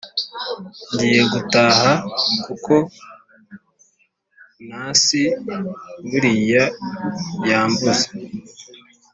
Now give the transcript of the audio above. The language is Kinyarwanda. ngiye gutaha kuko nasi buriya yambuze